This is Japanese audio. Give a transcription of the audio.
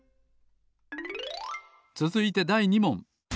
つづいてだい２もん。